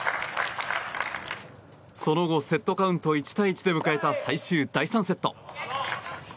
その後セットカウント１対１で迎えた最終、第３セット。